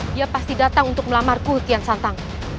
dia pasti datang untuk melamarku hukian santang